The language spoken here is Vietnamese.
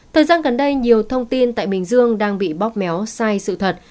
thời gian gần đây nhiều thông tin tại bình dương đang bị bóp méo sai sự thật